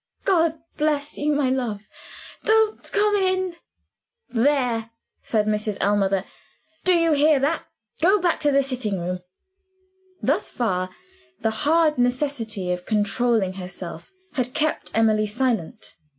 God bless you, my love. Don't come in." "There!" said Mrs. Ellmother. "Do you hear that? Go back to the sitting room." Thus far, the hard necessity of controlling herself had kept Emily silent.